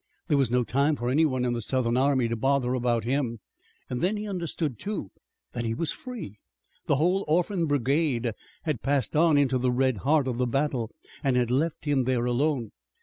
There was no time for any one in the Southern army to bother about him. Then he understood too, that he was free. The whole Orphan Brigade had passed on into the red heart of the battle, and had left him there alone.